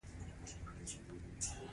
د تسونامي لامل زلزله ده.